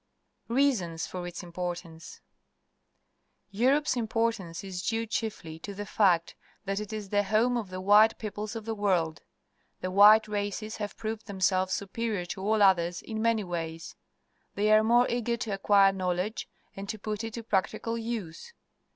Reasons for its Importance. — Europe's im portance is due chiefly to the fact that it is the home of the white peoples of the world. The white races have proved themselves superior to all others in manv' ways. They are more eager to acquire knowledge and to put it to practical use.